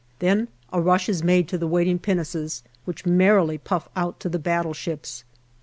Then a rush is made to the waiting pinnaces, which merrily puff out to the battleships.